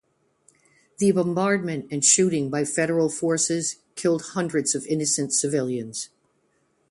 The bombardment and shooting by Federal forces killed hundreds of innocent civilians.